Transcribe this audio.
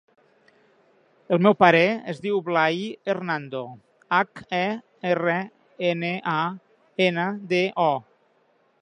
El meu pare es diu Blai Hernando: hac, e, erra, ena, a, ena, de, o.